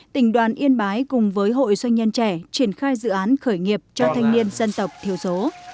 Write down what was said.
tỉnh đoàn yên bái cùng với hội doanh nhân trẻ triển khai dự án khởi nghiệp cho thanh niên dân tộc thiểu số